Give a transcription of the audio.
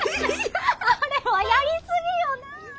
あれはやりすぎよな！